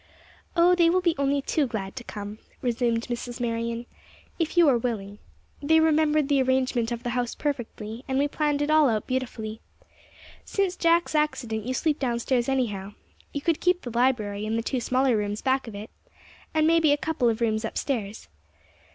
"O, they will be only too glad to come," resumed Mrs. Marion, "if you are willing. They remembered the arrangement of the house perfectly, and we planned it all out beautifully. Since Jack's accident you sleep down stairs anyhow. You could keep the library and the two smaller rooms back of it, and may be a couple of rooms up stairs.